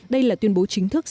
đây là tuyên bố chính thức